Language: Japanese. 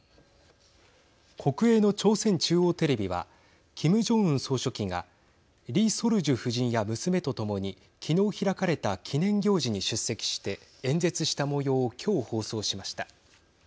国営の朝鮮中央テレビはキム・ジョンウン総書記がリ・ソルジュ夫人や娘とともに昨日開かれた記念行事に出席して演説したもようを今日、放送しました。